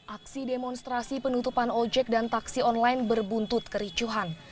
aksi demonstrasi penutupan ojek dan taksi online berbuntut kericuhan